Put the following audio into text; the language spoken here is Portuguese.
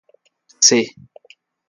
C